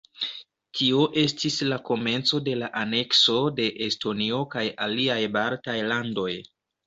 Tio estis la komenco de anekso de Estonio kaj aliaj Baltaj Landoj.